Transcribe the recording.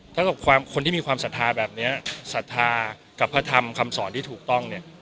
ถ้าคนที่มีความศรัทธาแบบนี้ศรัทธากับพระธรรมคำสอนที่ถูกต้องเนี่ย